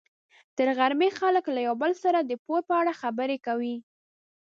تر غرمې خلک له یو بل سره د پور په اړه خبرې کوي.